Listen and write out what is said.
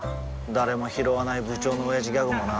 誰もひろわない部長のオヤジギャグもな